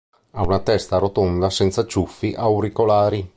Ha una testa rotonda senza ciuffi auricolari.